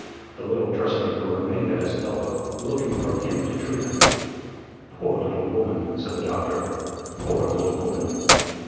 The little dressmaker remained at his elbow, looking from him to Trina. "Poor little woman!" said the doctor; "poor little woman!"